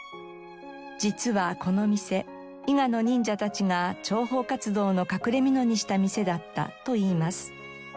実はこの店伊賀の忍者たちが諜報活動の隠れ蓑にした店だったといいます。